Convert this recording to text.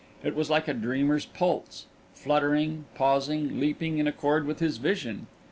It was like a dreamer's pulse, fluttering, pausing, leaping, in accord with his vision.